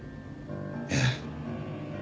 ええ。